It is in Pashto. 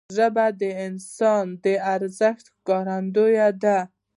ژبه د انسان د ارزښت ښکارندوی ده